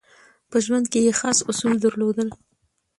په ژوند کې یې خاص اصول درلودل.